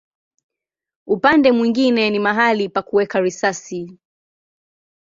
Upande mwingine ni mahali pa kuweka risasi.